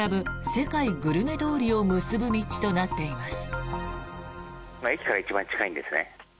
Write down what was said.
世界グルメ通りを結ぶ道となっています。